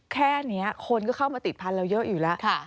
แค่นี้คนก็เข้ามาติดพันธุ์เราเยอะอยู่แล้ว